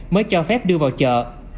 mới cho phép đưa vào chợ